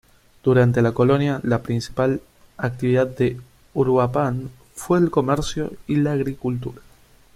Durante la colonia la principal actividad de Uruapan fue el comercio y la agricultura.